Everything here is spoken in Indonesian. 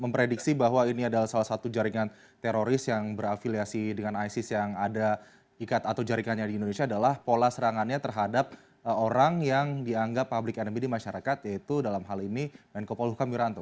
memprediksi bahwa ini adalah salah satu jaringan teroris yang berafiliasi dengan isis yang ada ikat atau jaringannya di indonesia adalah pola serangannya terhadap orang yang dianggap public enemy di masyarakat yaitu dalam hal ini menko polhukam wiranto